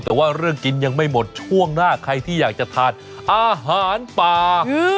แต่ว่าเรื่องกินยังไม่หมดช่วงหน้าใครที่อยากจะทานอาหารป่า